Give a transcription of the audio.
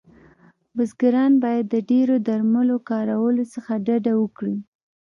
بزګران باید د ډیرو درملو کارولو څخه ډډه وکړی